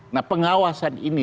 nah pengawasan ini